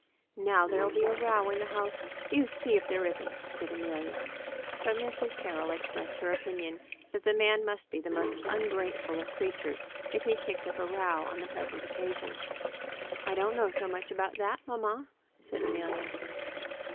"Now there'll be a row in the house; you see if there isn't!" said Amelia. But Mrs. Carroll expressed her opinion that the man must be the most ungrateful of creatures if he kicked up a row on the present occasion. "I don't know so much about that, mamma," said Amelia.